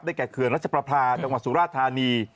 แก่เขื่อนรัชประพาจังหวัดสุราธานี